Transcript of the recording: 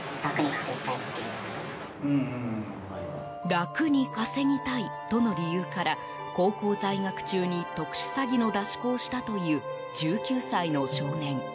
楽に稼ぎたいとの理由から高校在学中に特殊詐欺の出し子をしたという１９歳の少年。